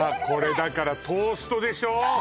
これだからトーストでしょう？